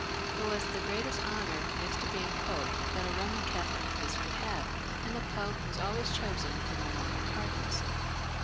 It was the greatest honour, next to being Pope, that a Eoman Catholic priest could have, and the Pope was always chosen from among the cardinals.